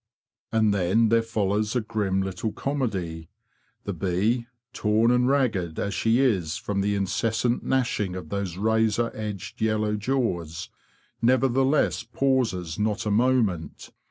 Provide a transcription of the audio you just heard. And then there follows a grim little comedy. The bee, torn and ragged as she is from the incessant gnashing of those razor edged yellow jaws, never theless pauses not a moment.